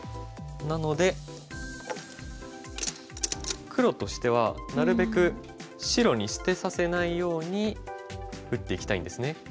なので黒としてはなるべく白に捨てさせないように打っていきたいんですね。